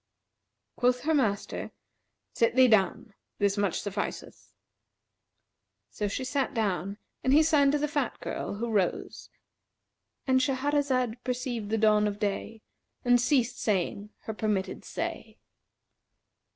Quoth her master, 'Sit thee down: this much sufficeth.' So she sat down and he signed to the fat girl, who rose"—And Shahrazad perceived the dawn of day and ceased saying her permitted say.